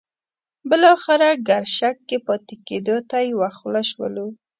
بالاخره ګرشک کې پاتې کېدو ته یو خوله شولو.